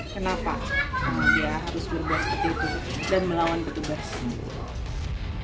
kenapa dia harus berbakat itu dan melawan ketebasan